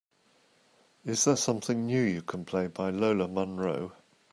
is there something new you can play by Lola Monroe